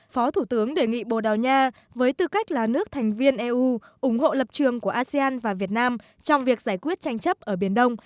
phó thủ tướng đề nghị bồ đào nha với tư cách là nước thành viên eu ủng hộ lập trường của asean và việt nam trong việc giải quyết tranh chấp ở biển đông